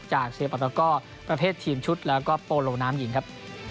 จากเซปรักษณ์แล้วก็ประเภททีมชุดแล้วก็โปรหลงน้ำหญิงครับ